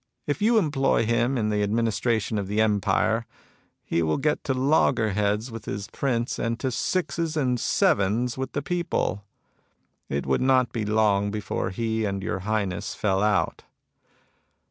If you employ him in the administration of the empire, he will get to loggerheads with his prince and to sixes and sevens with the people. It would not be long before he and your Highness fell out."